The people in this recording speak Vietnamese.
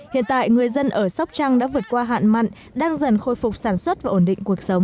hiện tại người dân ở sóc trăng đã vượt qua hạn mặn đang dần khôi phục sản xuất và ổn định cuộc sống